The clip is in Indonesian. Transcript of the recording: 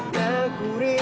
dan ku rindukan